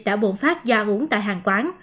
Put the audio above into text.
đã bộn phát do ăn uống tại hàng quán